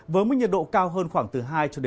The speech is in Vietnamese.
với mức nhiệt độ cao hơn khoảng từ hai cho đến ba độ